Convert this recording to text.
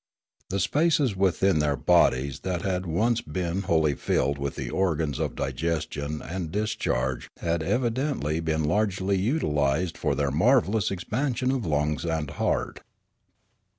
The spaces within their bodies that had once been wholly filled with the organs of digestion and dis charge had evidently been largely utilised for their marvellous expansion of lungs and heart.